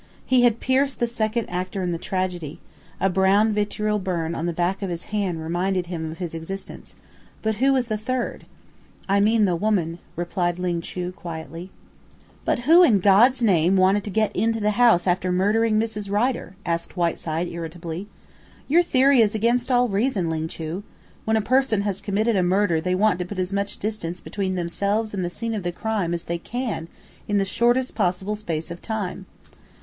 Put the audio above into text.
He had pierced the second actor in the tragedy a brown vitriol burn on the back of his hand reminded him of his existence but who was the third? "I mean the woman," replied Ling Chu quietly. "But who in God's name wanted to get into the house after murdering Mrs. Rider?" asked Whiteside irritably. "Your theory is against all reason, Ling Chu. When a person has committed a murder they want to put as much distance between themselves and the scene of the crime as they can in the shortest possible space of time."